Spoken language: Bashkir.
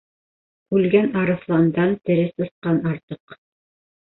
Үлгән арыҫландан тере сысҡан артыҡ.